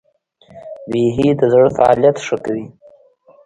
بیهي د زړه فعالیت ښه کوي.